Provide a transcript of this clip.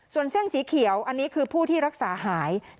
ส่วนเส้นสีเขียวอันนี้คือผู้ที่รักษาหาย